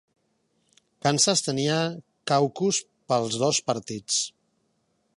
Kansas tenia caucus pels dos partits.